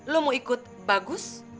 lo mau ikut bagus